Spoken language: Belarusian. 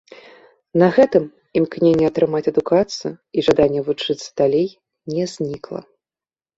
На гэтым імкненне атрымаць адукацыю і жаданне вучыцца далей не знікла.